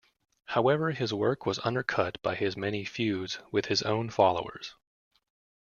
However his work was undercut by his many feuds with his own followers.